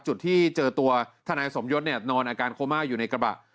จุดที่เจอตัวทนายสมยศนอนอาการโคม่าอยู่ในกระบะ